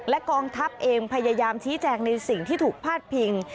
กองทัพเองพยายามชี้แจงในสิ่งที่ถูกพาดพิง